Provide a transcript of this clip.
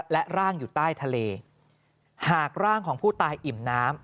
และร่างอยู่ใต้ทะเลหากร่างของผู้ตายอิ่มน้ำ